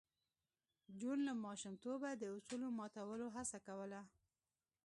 جون له ماشومتوبه د اصولو ماتولو هڅه کوله